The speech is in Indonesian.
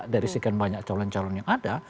dari sekian banyak calon calon yang ada